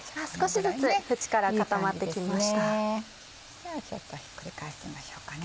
ではちょっとひっくり返しましょうかね。